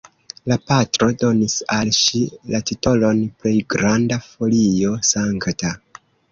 La patro donis al ŝi la titolon "Plejgranda Folio Sankta".